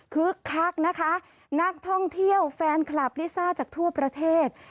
คักนะคะนักท่องเที่ยวแฟนคลับลิซ่าจากทั่วประเทศ